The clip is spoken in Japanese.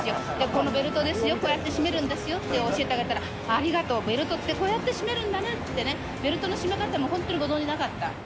このベルトですよ、こうやって締めるんですよって教えてあげたら、ありがとう、ベルトってこうやって締めるんだねって言ってね、ベルトの締め方も本当にご存じなかった。